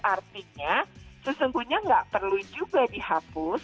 artinya sesungguhnya nggak perlu juga dihapus